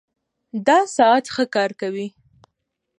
دا ساعت ښه کار کوي